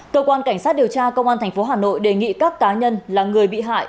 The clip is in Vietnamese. cơ quan cảnh sát điều tra công an tp hà nội đề nghị các cá nhân là người bị hại